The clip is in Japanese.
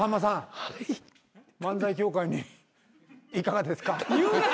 漫才協会にいかがですか？